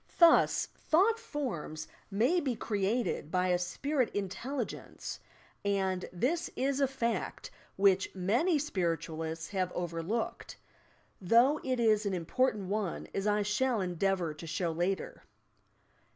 Thus, thought forms may 1 THE SPIRIT WORLD 57 be created by a spirit iutelligence, and this is a fact which many spiritualists have overlooked, — though it is an important one as I shall endeavour to show later.